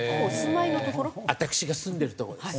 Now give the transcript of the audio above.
私が住んでるとこです。